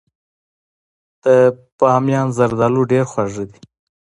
د بامیان زردالو ډیر خواږه دي.